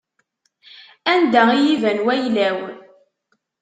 Anda i yi-iban wayla-w.